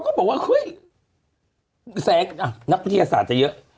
เขาก็บอกว่านักวิทยาศาสตร์จะเยอะ